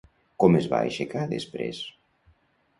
Com es va aixecar després?